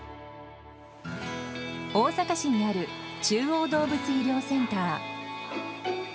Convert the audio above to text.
大阪市にある中央動物医療センター。